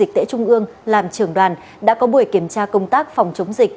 đoàn kiểm tra trung ương làm trưởng đoàn đã có buổi kiểm tra công tác phòng chống dịch